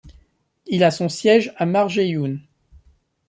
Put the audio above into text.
Il a son siège à Marjayoun.